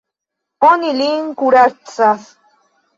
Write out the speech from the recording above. Oni lin kuracas.